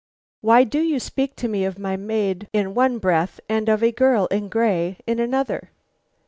"Why do you speak to me of my maid in one breath and of a girl in gray in another?